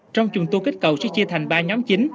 trong chuồng tour kích cầu sẽ chia thành ba nhóm chính